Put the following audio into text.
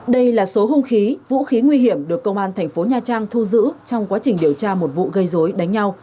đây là số hung khí vũ khí nguy hiểm được công an thành phố nha trang thu giữ trong quá trình điều tra một vụ gây dối đánh nhau